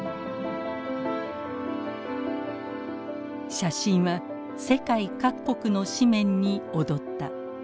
写真は世界各国の紙面に躍った。